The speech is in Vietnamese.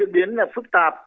có cái diễn biến phức tạp